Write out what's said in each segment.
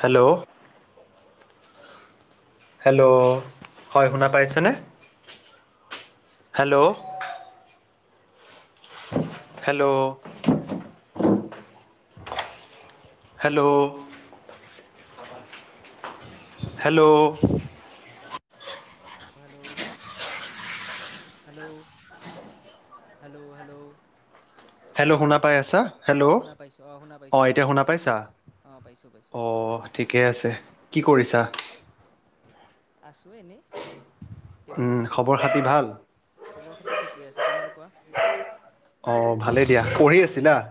Hello, hello, হয় শুনা পাইছেনে hello? Hello, hello, hello, hello, hello, hello, hello, hello শুনা পায় আছা হেল্ল অঁ শুনা পাইছোঁ অঁ শুনা অ, পাইছোঁ অঁ এতিয়া শুনা পাইছোঁ পাইছা অঁ পাইছোঁ পাইছোঁ অ, ঠিকে আছে কি কৰিছা? আছো এনেই। উম টেবুলতে বহি খবৰ খাতি আছিলোঁ ভাল খবৰ খাতি ঠিকে আছে। তোমাৰ কোৱা। অ ভালেই। দিয়া পঢ়ি আছিলা। অঁ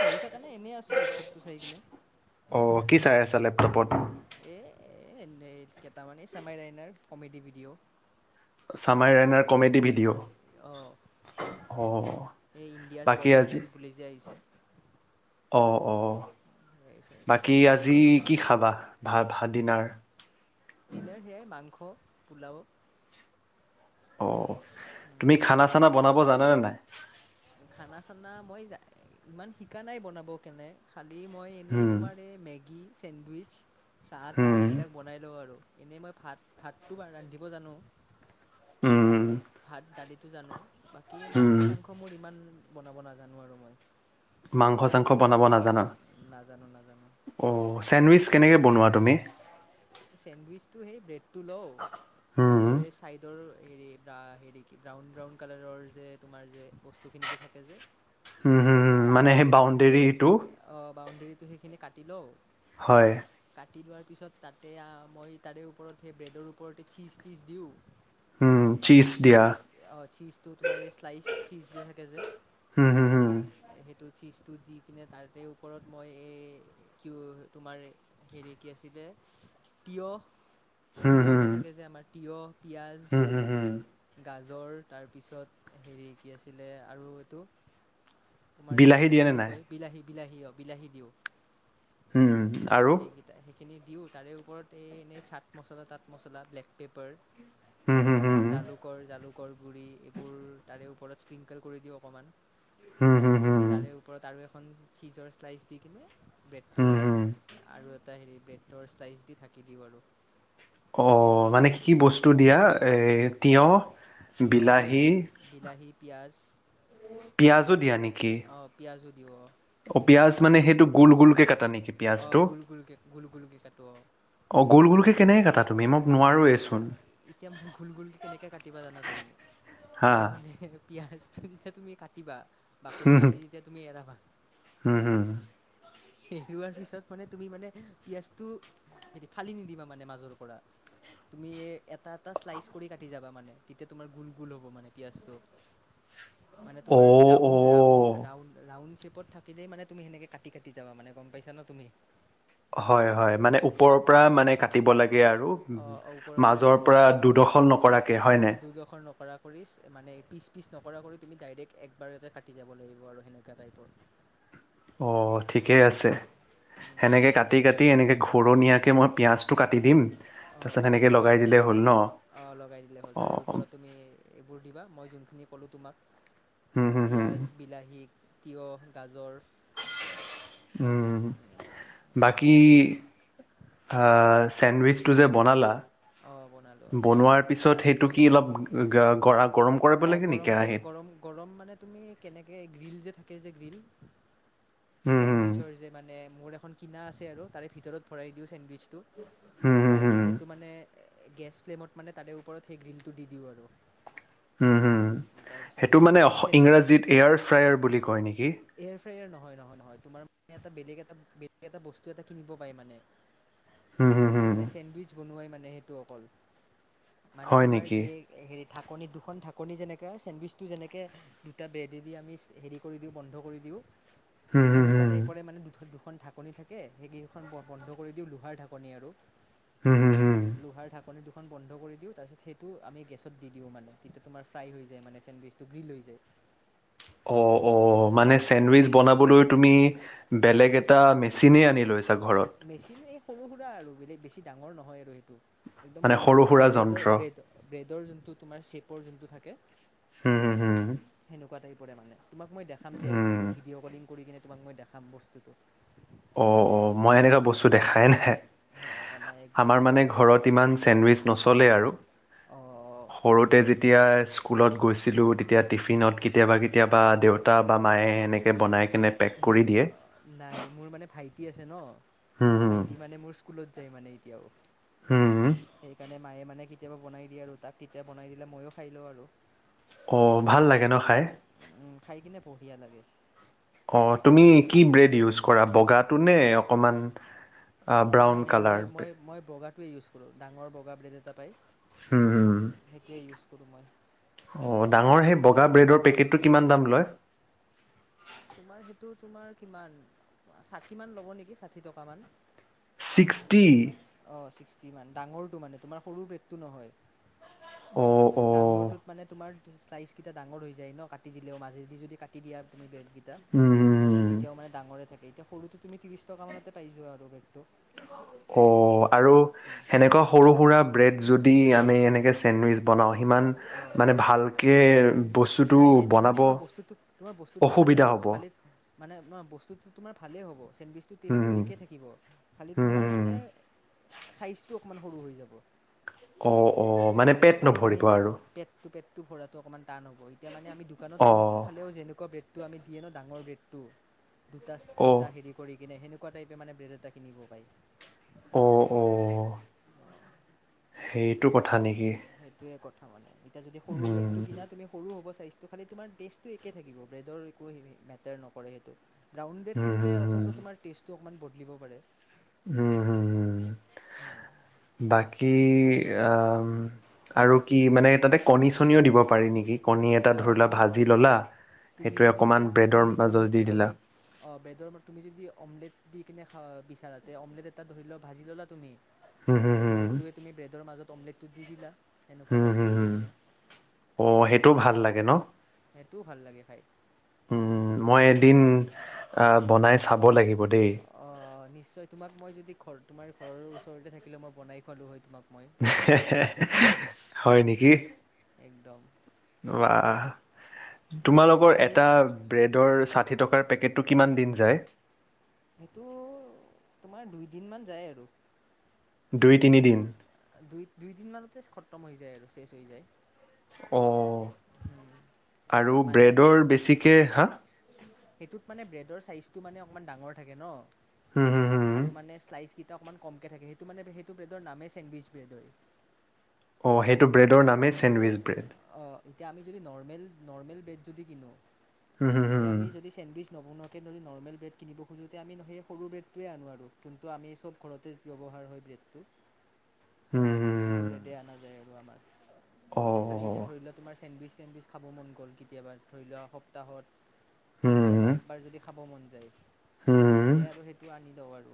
পঢ়ি থকা নাই এনেই আছোঁ লেপটপটো চাই কিনে। অ কি চাই আছা লেপটপত। এ এনে কেইটামানে Samay Raina comedy video. Samay Raina comedy video অঁ অ এই ইণ্ডিয়াছ গট বাকী আজি। লেটেণ্ট বুলি যে আহিছে অঁ অ। সেয়াই চাই আছিলোঁ বাকী আজি। কি খাবা ভাত ডিনাৰ। ডিনাৰ সেয়াই মাংস পোলাওঁ। অ তুমি খানা চানা বনাব জানে নে নাই। খানা চানা মই ইমান শিকা নাই বনাব কেনে খা। মই এনেই উম তোমাৰ এই মেগী। চেণ্ডৱিচ। চাহ তাহ উম, এইবিলাক বনাই লওঁ আৰু। এনেই মই ভাত ভাতটো ৰান্ধিব জানো। উম উম। ভাত দালি। জানো। বাকী মাংস উম, চাংস মোৰ ইমান। বনাব নাজানোঁ আৰু মই। মাংস চাংস বনাব না। জানা নাজানো নাজানো অ চেণ্ডৱিচ্। কেনেকে বনোৱা তুমি। চেণ্ডৱিচ্ সেই ব্ৰেডটো লওঁ উম, ব্ৰেডৰ এই চাইডৰ। হেৰি হেৰি কি ব্ৰাউন ব্ৰাউন কালাৰৰ যে তোমাৰ যে বস্তুখিনি যে থাকে যে। উম হম হম মানে সেই সেইখিনি সেই বাউণ্ডেৰীটো। বাউণ্ডেৰীটো সেইখিনি কাটি লওঁ। হয়। কাটি লোৱাৰ পিছত তাত। তেতিয়া মই তাৰে ওপৰত সেই ব্ৰেডৰ ওপৰতে চীজ তিজ দিওঁ। উম, চীজ দিয়া। চিজ অ চিজ টো তোমাৰ স্লাইচ। চিজ যে থাকে যে। হুম হুম হুম। এ সেইটো। চীজটো দি কিনে তাতে ওপৰত মই এই কিউ তোমাৰ হেৰি কি আছিলে তিয়ঁহ হুম, তিয়ঁহ হুম, যে থাকে যে আমাৰ তিয়ঁহ পিয়াজ, হুম, হুম, হুম, গাজ জৰ, তাৰপিছত হেৰি কি আছিলে আৰু এইটো তোমাৰ এইটো বিলাহী কি দিয়ে নে বুলি নাই? কয় বিলাহী বিলাহী, অ', বিলাহী দিওঁ। উম। আৰু? হেইগিটাই, হেই খিনি দিওঁ। তাৰে ওপৰত এই এনেই চাটমছলা-তাটমছলা, ব্লেক পেপাৰ হুম, হুম, হুম, হুম, জালুকৰ, জালুক কৰ গুৰি এইবোৰ তাৰে ওপৰত স্পিংকল কৰি দিওঁ অকণমান। হুম, তাৰ পিছত হুম, তাৰে ওপৰত আৰু এখ এখন চিজৰ শ্লাইচ দি কিনে পেতটো হুম, আৰু হুম। আৰু এটা হেৰি বেটৰ স্লাইজ দি ঢ়াকি দিওঁ। আৰু সেনেকেই অ' বনাওঁ মানে আৰু কি বস্তু দিয়া এ তিয়হ দিওঁ বিলাহী, পিঁয়াজ পিঁয়াজো দিয়া নে অ' পিয়াজো। তিঁয়হ অ' পিঁয়াজ মানে সেইটো গোল গোল কে কাটা নে অঁ পিঁয়াজটো? গোল গোলকৈ গোল গোলকৈ কাটো অঁ অ' গোল গোলকে কেনেকে কাটা তু তুমি মোক নোৱাৰোৱেচোন এতিয়া মানে গোল গোল কে কেনেকে কাটিবা জানা তুমি হা এতিয়া মানে? পিঁয়াজটো যেতিয়া তুমি কাটিবা বাকলি হুম খিনি যেতিয়া তুমি এৰাবা হুম হুম। এৰুৱাৰ পিছত মানে তুমি মানে পিয়াজটো এ ফালি নিদিবা, মানে মাজৰ পৰা তুমি এটা এটা শ্লাইচ কৰি কাটি যাবা, মানে তেতিয়া তোমাৰ গোল গোল হ'ব মানে পিয়াজটো। মানে অ তোমাৰ অ ৰাউন ৰাউন ৰাউন ৰাউন চেভ ল'ব। থাকিলে মানে তুমি সেনেকে কাটি কা যাবা মানে গ'ম পাইছা না তুমি? হয়, হয় মানে ওপৰৰ পৰা মানে কাটিব লাগ গে আৰু, অঁ অঁ ওপৰৰ পৰাই মাজৰ কাটিব পৰা লাগে দুদখৰ নকৰাকে হয় নে? পিচ মানে পিচ পিচ নকৰা কৈ তুমি ডাইৰেক্ট একবাৰতে কাটি যাব লাগিব আৰু সেনেকুৱা টাইপৰ অ' ঠিকেই আছে। সেনেকে কাটি - কাটি এনেকে ঘূৰণীয়াকে মই পিঁয়াজটো কাটি দিম অ, তাৰপিছত কাটি সেনেকে দিবা লগাই দিলেই হ'ল ন অ, লগাই দিলে হ'ল অ তাৰে ওপৰত তুমি এইবোৰ দিবা মই যোন যি ক'লোঁ তোমাক হুম হুম হুম পিয়াজ, বিলাহী তিঁয়হ, গাজৰ উম, এনেকৈ বাকী কাটি কাটি দিবি আহ, চেণ্ডউইচটো যে বনালা অঁ বনালোঁ বনোৱাৰ পিছত সেইটো কি অলপ গ্ৰা গঢ়া অ গৰম কৰো গৰম গৰম মানে তুমি কেনেকে গ্ৰীল যে থাক কে যে গ্ৰিল হুম হুম চেণ্ডউইচৰ যে মানে মোৰ এখন কিনা আছে আৰু তাৰে ভিতৰত ভৰাই দিওঁ চেণ্ডউইচ টো হুম হুম তাৰপিছত হুম সেইটো মানে গেছ ফ্লেমত মানে, তাৰে ওপৰত সেই গ্ৰীলটো দি দিওঁ আৰু উম, হোম তাৰপিছত সেইটো তোমাৰ মানে গ্ৰীল অস চেণ্ডউইচ ইংৰাজীত এয়াৰ ফ্ৰায়াৰ বুলি কয় নেকি? হয়, নহয়, নহয় তোমাৰ মানে এটা বেলেগ এটা বেলেগ এটা বস্তু এটা কিনিব পাৰি মানে হুম হুম হুম মানে চেণ্ডউইচ বনোৱাই মান সেইটো অকল মানে, হয় তোমাৰ নেকি? এই হেৰিত ঢাকনি দো খন ঢাকনি যেনেকে চেণ্ডউইচটো যেনেকে দুটা ব্ৰেডে দি আমি হেৰি কৰি দিওঁ, বন্ধ কৰি দিওঁ। হুম হুম সেনেকুৱা হুম টাইপৰে মানে দুখন দুখ খন ঢাকনি থাকে, সেইকেইখন বন বন্ধ কৰি দিওঁ, লোহাৰ ঢাকনি আৰু হুম হুম হুম লোহাৰ ঢাকনি দুখ খন বন্ধ কৰি দিওঁ, তাৰপিছত সেইটো আমি গেছত দি দিওঁ মানে। তেতিয়া তোমাৰ ফ্ৰাই হৈ যায় মানে, চেণ্ডউইচটো গ্ৰিল হৈ যায়। অ' অ' মানে চেণ্ডউইচ বনাবলৈ তুমি বেলেগ এটা মেচিনে আনি লৈছ মেচিন এই সৰু-সুৰা আৰু বেলেগ বেছি ডাঙৰ নহয় আৰু সেইটো। একদম মানে সৰু মেচি-এই সুৰা ব্ৰেডৰ যন্ত্ৰ ব্ৰেডৰ ব্ৰেড ডৰ যোনটো তোমাৰ ছেপৰ যোনটো থাকে। হুম হুম হুম সেনেকুৱা টাইপ। পৰে মানে। তোমাক মই দেখাম দিয়া হুম একদিন, ভিডিঅ' কৰি -কৰি কিনে। তোমাক মই দেখাম বস্তুটো। অ' - অ'। মই এনেকুৱা বস্তু দেখাই নাই, অ', অ', একদিন আমাৰ মানে দেখাম দিয়া ঘৰত ইমান চেণ্ডউইচ নচলে আৰু, অ', সৰুতে যেতিয়া স স্কুলত গৈছিলোঁ, তেতিয়া টিফিনত কে কেতিয়াবা- কেতিয়াবা দেউতা বা মায়ে এনেকৈ বনাই কেনে পেক উম, কৰি দিয়ে অ নাই, মোৰ মানে ভাই টি আছে ন। হুম হুম ভাইটি মানে, মোৰ স্কুলত যায় মানে। হুম হুম [inaudible] সেইকাৰণে মায়ে মানে সি কেতিয়াবা বনাই দিয়ে আৰু তাক কেতিয়া বনাই দিলে ময়ো খাই লওঁ আৰু। অ' ভাল লাগে ন খাই। উম, খাই কিনে বঢ়িয়া লাগে। অঁ মানে তুমি কি ব্ৰেড ইউজ কৰা বগাত তোনে অকণমান ব্ৰাউন নাই-নাই, কালাৰ মই মই- মই বগা টো ইউজ কৰো, ডাঙৰ বগা ব্ৰেড এটা পায়। হুম সেইটোয়ে ইউজ [inaudible] অঁ ডাঙৰ মোৰ সেই বগা মানে ব্ৰেডৰ পেকেটটো কিমান দাম লয়। তোমাৰ সেইটো তোমাৰ কিমান ষাঠি মান ল'ব নেকি ষাঠি টকামান। ছিক্সটি। অঁ, ছিক্সটি মান ডাঙৰটো মানে তোমাৰ সৰু ব্ৰেডটো অ' নহয়। অ' ডাঙৰটোত মানে তোমাৰ শ্লাইচকেইটা ডাঙৰ হৈ যায় ন, কাটি দিলেও মাজেদি যদি কাটি দিয়া তুমি বে হুম হুম তেতিয়াও মানে ডাঙৰে থাকে। এতিয়া সৰুটো তুমি ত্ৰিশ টকা মানতে পাই যোৱা আৰু ব্ৰেডটো। অ'। আৰু সেনেকুৱা সৰু সুৰা ব্ৰেড যদি আনি এনেকে চেণ্ডউইচ বনাওঁ সিমান অ' মানে ভালকে বস্তুটো নাই নাই তোমাৰ বনাব তোমাৰ বস্তুটো তোমাৰ বস্তুটো ভালেই অসুবিধা হ'ব। খালি মানে তোমাৰ বস্তুটো তোমাৰ ভালেই হ'ব। চেণ্ডউইচটো টেষ্টটো উম, একে থাকিব, খালি তোমাৰ উম, মানে চাইজটো সৰু হৈ যাব। অ অ। পেট মানে তুমি নভৰিব আৰু পেটটো পেট টো ভৰাটো অকমান টান হ'ব। এতিয়া মানে আমি দোকানত কিনি অ'। খালেও যেনেকুৱা ব্ৰেড টো আনি দিয়ে ন, ডাঙৰ ব্ৰেডটো। দুটাচ অ', দুটা হেৰি কৰি কিনে হেনেকুৱা টাইপে মানে ব্ৰেড এটা কিনিব পায়। অ অহ। সেইটো কথা নি? সেইটোয়ে কথা। মানে এতিয়া যদি সৰু ব্ৰেড উম, টো কিনা তুমি সৰু হ'ব চাগে? চাইচটো খালি তোমাৰ। টেষ্টটো একে থাকিব ব্ৰেডৰ একো মেটাৰ নকৰে সেইটো। ব্ৰউন ব্ৰেড উম, কিনিলে অথচ তোৰ টেষ্ট অণমান ব দিব পাৰে উম হম হম বাকী হয় আহ আৰু কি মানে তাতে কণী চনিও দিব পাৰি নেকি? কণী এটা অঁ ধৰি লোৱা তুম ভাজি ললা তুমি সেইটোৱে যদি অকণমান এতিয়া ব্ৰেডৰ কণী মাজত কণী দি দিলা কণী অঁ ব্ৰেডৰ তুমি যদি অমলেট দি কিনে খা বিচাৰাতে অমলেট এটা ধৰি লোৱা ভাজি ল'লা তুমি হুম হুম তাৰপিছত হুম সেইটোৱে তুমি ব্ৰেডৰ মাজত অমলেট দি দিলা সেনেকুৱা উম টাইপ হম কৰি হম কিনে অ সেইটোও ভাল লাগে চাগে ন টো ভাল লাগে খাই উম মই দিন অ বনাই চাব লাগিব। দেই অ নিশ্চয় তোমাক মই যদি ঘৰ তোমাৰ ঘৰৰ ওচৰতে থাকিলে মই বনাই খোৱালো হয় তোমাক। মই হয় নেকি একদম বাহ। তোমালোকৰ তুমি এটা ব্ৰেডৰ চাট ষাঠি টকাৰ পেকেটটো কিমান দিন যায়? সেইটো তোমাৰ দুইদিনমান যায় আৰু। দুই তিনিদিন? দুই দুইদিন মানতে খটম হৈ যায় আৰু শেষ হৈ যায়। অ' আৰু মানে ব্ৰেডৰ বেছি কে হাঁ। সেইটোত মানে ব্ৰেডৰ চাইজটো মানে অকমান ডাঙৰ থাকে ন? হুম হুম হুম আৰু মানে শ্লাইচ ক অকণমান কমকে থাকে সেইটো মানে সেইটো ব্ৰেডৰ নামেই চেণ্ডউইচ ব্ৰেড হয়। অ'সেইটো ব্ৰেডৰ নামে চেণ্ডউইচ? ব্ৰেড। অ' এতিয়া আমি যদি নৰ্মেল নৰ্মেল বেড যদি কিনো হুম তে হুম আমি যদি চেণ্ডউইচ নবনোৱাকৈ নদি নৰ্মেল ব্ৰেড কিনিব খোজোঁতে আমি সেই সৰু ব্ৰেডটোৱে আনোঁ। আৰু যোনটো আমি চব ঘৰতে ব্যৱহাৰ হয় ব্ৰেডটো। হুম হুম সেইটো হুম ব্ৰেডে অনা যায় আৰু আমাৰ। অ খালি এতিয়া ধৰি লোৱা তোমাৰ চেণ্ডউইচ চেণ্ডউইচ খাব মন গ'ল কেতিয়াবা? ধৰি লোৱা সপ্তাহত হুম কেতিয়াবা একবাৰ যদি খাব মন যায় হুম যায়। তে আৰু সেইটো আনি দৌৰো।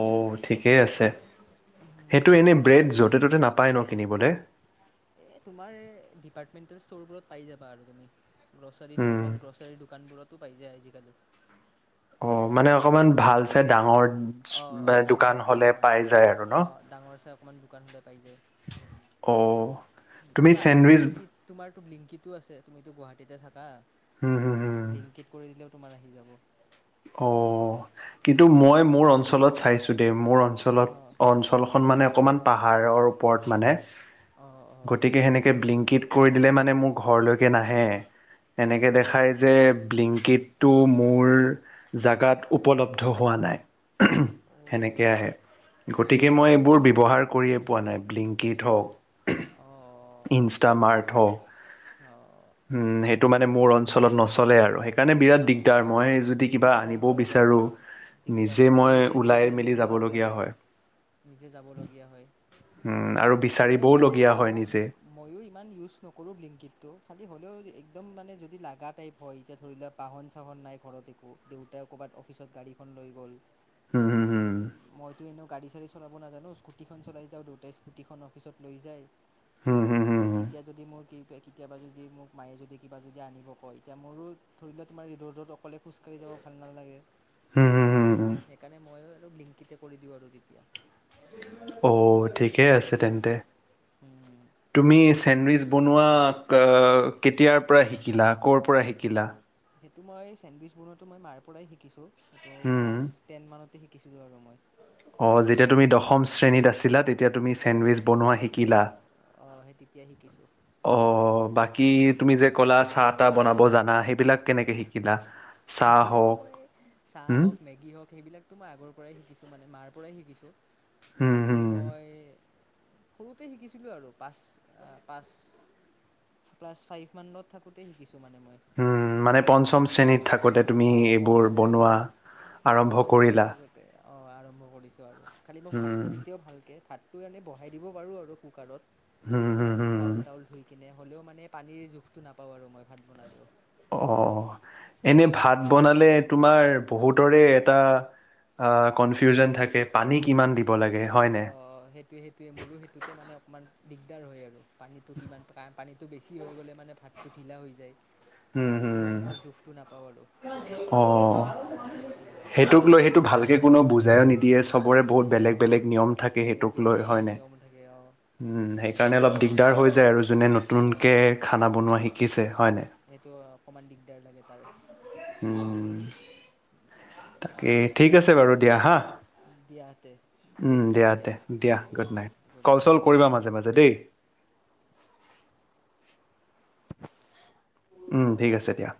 অ' ঠিকেই আছে। সেইটো এনেই ব্ৰেড য'তে ত'তে নাপ পায় ন কিনিবলে? এ তোমাৰ ডিপাৰ্টমেণ্টেল ষ্টৰবোৰত পাই যাবা। আৰু তুমি গ্ৰছাৰী উম নৰ্মেল গ্ৰছাৰী দোকানবোৰতো পাইয়ে আজিকাল। অ' মানে অকমান ভাল চাই ডাঙৰ অ', অ', ডাঙৰ দোকান হ'লে পাই যায় আৰু ন? অকমান দোকান হ'লে অ তুমি আৰু চেণ্ডউইচ আজিকালিনো কি তোমাৰ লিংকিতো আছে তুমিতো গুৱাহাটীতে থাকা? হুম হুম হুম লিংকিত কৰি দিলে তোমাৰ আহি যাব। অ' কিন্তু মই মোৰ অঞ্চলত চাইছো দে, মোৰ অঞ্চলত অ' অঞ্চল খন মানে অকণমান পাহাৰৰ ওপৰত মানে। অ', অ', অ', গতিকে সেনেকে ব্লিংকিত কৰি দিলে মানে মানে মোৰ ঘৰলৈকে নাহে। এনেকে দেখাই অ', যে ব্লিংকিত টোৰ, মোৰ জাগাত উপলব্ধ হোৱা নাই। সেনেকৈ অ', আহে গতিকে মই এইবোৰ ব্যৱহাৰ কৰি পোৱা নাই ব্লিংকিট হওঁক, অ', ইঞ্চৰ্টাৰ ৰ্মাট হওঁক অ', সেইটো মানে মোৰ অঞ্চলত নচলে আৰু সেইকাৰণে বিৰাট অ', দিগদাৰ মইয়ে যদি কিবা দিগদাৰ আনিবও হয় অলপ, বিচাৰোঁ দিগদাৰ নিজে হয়! তুমি মই ওলাই মেলি নিজে-নিজে-নিজে যাব যাবলগীয়া লগা, হয় নিজে যাব লগীয়া হয়। উম আৰু হ'লেওঁ বিচাৰিবও মানে লগীয়া ম হয় নিজে। [unintelligible] মইয়ো ইমান ইউজ নকৰোঁ ব্লিংকিটতো। খালি হ'লেওঁ একদম মানে, যদি লাগা টাইপ হয়! এতিয়া ধৰি লোৱা বাহন-চাহন নাই ঘৰত একো। দেউতাই ক'ৰবাত অফিচত গাড়ীখন লৈ গ'ল। হম হম হম মইতো এনেও গাড়ী-চাড়ী চলাব নাজানোঁ। স্কুটীখন চলাই যাওঁ, দেউতাই স্কুটিখন অফিচত লৈ যায়। হম-হম-হম। তেতিয়া যদি মোৰ [unintelligible] কেতিয়াবা যদি মোক মায়ে যদি কিবা যদি আনিব কয়, তেতিয়া মোৰো ধৰি লও তোমাৰ ৰদত অকলে খোজকাঢ়ি যাব ভাল নালাগে হম হম হম হম সেইকাৰণে মই আৰু ব্লিংকিতে কৰি দিওঁ আৰু তেতিয়া। ঠিকে আছে তেন্তে তুমি চেণ্ডউইচ বনোৱা কেতিয়াৰ পৰা শিকিলা ক'ৰ পৰা শিকিলা। সেইটো মই চেণ্ডউইচ বনোৱাটো মই মাৰ পৰাই শিকিছোঁ। এইটো হুম। ক্লাছ টেন মানতে শিক কিছু আৰু মই অ' যেতিয়া তুমি দশম শ্ৰেণীত আছিলা তেতিয়া তুমি দশম চেণ্ডউইচ বনোৱা শিকিলা অঁ সেই তেতিয়াই শিকিছোঁ অ' বাকী কি তুমি যে ক'লা চাহ তাহ বনাব জানা সেইবিলাক কেনেকে শিকিলা? চাহ সেইবিলাকতো হওক মই চাহ হুম হওক, মেগী হওক সেইবিলাক ত মই আগৰ পৰাই শিকিছো মানে মাৰ পৰাই শিকিছোঁ। হুম এইবোৰ হুম। মই সৰুতে শিকিছিলো আৰু পাচ পাচ ক্লাছ ফাইভ মানত থাকোতে শিকিছো মানে। মই উম মানে পঞ্চম শ্ৰেণীত থাকোঁতে তুমি অঁ এইবোৰ পঞ্চম বনোৱা পঞ্চম আৰম্ভ কৰিলা। অ' আৰম্ভ কৰিছোঁ আৰু। খালি মই হুম ভাত চাত এতিয়াও ভালকে ভাত তো এনে বহাই দিব পাৰোঁ আৰু কুকাৰত। হুম হুম হুম। চাউল টাউল ধুই কেনে হ'লেও মানে পানীৰ জোখটো নাপাওঁ আৰু মই ভাত বনালেও। অ', এনে ভাত বনালে তোমাৰ বহুতৰে এটা অ' কনফিউজন থাকে, পানী কিমান দিম। অ' সেইটোয়ে সেইটোয়ে মোৰো সেইটোতে মানে অকমান দিগদাৰ হয় আৰু। পানীটো কিমান পাম? পানীটো বেছি হৈ গ'লে মানে, ভাতটো ঢিলা হৈ যায়। উম', সেইটো উম, মানে মই জোখটো নাপাওঁ আৰু অ', অ সেইটোক লৈ সেইটো ভাল এ কোনো বুজাইও নিদিয়ে চবৰে বহুত বেলেগ অঁ বেলেগ নিয়ম থাকে বেলেগ সেইটোক বেলেগ লৈ হয়নে নিয়ম থাকে অঁ উম সেইকাৰণে সেইটোৱে অলপ দিগদাৰ হৈ যায় আৰু যোনে নতুনকে অঁ খানা বনোৱা শিকিছে হয় নাই। ত' অকণমান দিগদাৰ লাগে তাৰ। কি ঠিক আছে বাৰু দিয়া হা। দিয়াহঁতে গুড উম' দিয়া নাইট তে দিয়া good night. Good call night চল অঁ কৰিবা মাজে মাজে দেই। উম ঠিক আছে দিয়া।